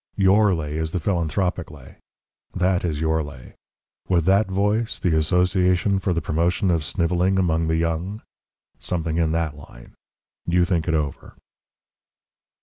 YOUR lay is the philanthropic lay that is your lay. With that voice the Association for the Promotion of Snivelling among the Young something in that line. You think it over.